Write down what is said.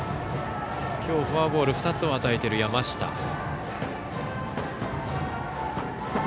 今日フォアボール２つを与えている山下。